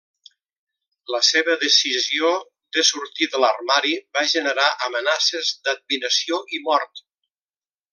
La seva decisió de sortir de l'armari va generar amenaces d'admiració i mort.